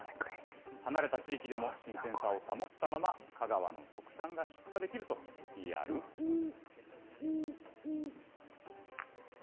離れた地域でも新鮮さを保ったまま香川の特産が出荷できるとＰＲします。